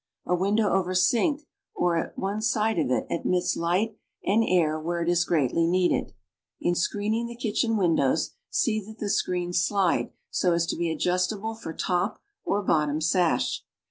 A window over sink or at one side of it admits light and air where it is greatly needed. In screening the kilchen windows, see that the screens slide iK"^^ so as to be adjustable for top or bottom sash.